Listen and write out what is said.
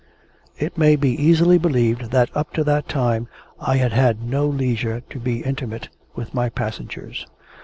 It may be easily believed that up to that time I had had no leisure to be intimate with my passengers.